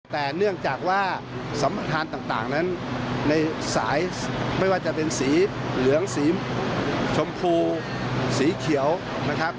แต่เนื่องจากว่าสัมประธานต่างนั้นในสายไม่ว่าจะเป็นสีเหลืองสีชมพูสีเขียวนะครับ